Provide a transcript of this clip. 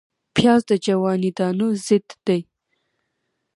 پیاز د جواني دانو ضد دی